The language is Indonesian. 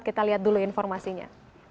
kita lihat dulu informasinya